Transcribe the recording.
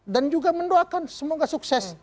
dan juga mendoakan semoga sukses